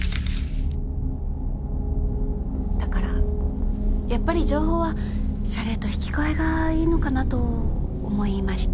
だからやっぱり情報は謝礼と引き換えがいいのかなと思いまして。